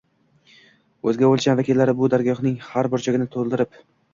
o‘zga o‘lcham vakillari bu dargohning har burchagini to‘ldirib